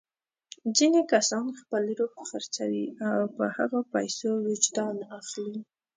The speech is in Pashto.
ځینې کسان خپل روح خرڅوي او په هغو پیسو وجدان اخلي.